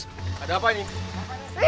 ada apa ini